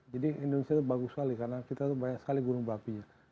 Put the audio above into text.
jadi indonesia itu bagus sekali karena kita banyak sekali gunung berapi